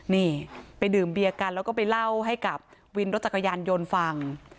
นี่ไปดื่มเบียร์กันแล้วก็ไปเล่าให้กับวินรถจักรยานยนต์ฟัง